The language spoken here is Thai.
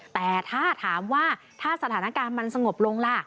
แต่ถ้าถามว่าถ้าสถานการณ์มันสงบลงล่ะ